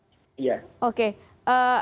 sering komunikasi sampai sekarang